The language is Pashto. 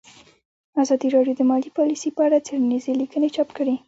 ازادي راډیو د مالي پالیسي په اړه څېړنیزې لیکنې چاپ کړي.